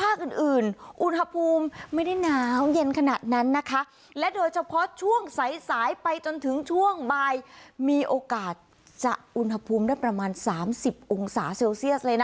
ภาคอื่นอื่นอุณหภูมิไม่ได้หนาวเย็นขนาดนั้นนะคะและโดยเฉพาะช่วงสายสายไปจนถึงช่วงบ่ายมีโอกาสจะอุณหภูมิได้ประมาณสามสิบองศาเซลเซียสเลยนะ